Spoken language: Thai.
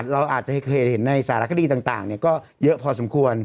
เราอาจจะเคยเห็นในสารคดีต่างก็เยอะพอสมควร